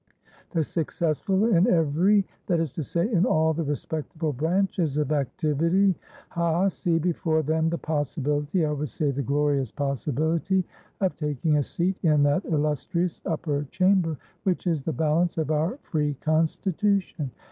The successful in everythat is to say in all the respectable branches of activityhasee before them the possibility, I would say the glorious possibility, of taking a seat in that illustrious Upper Chamber, which is the balance of our free Constitution.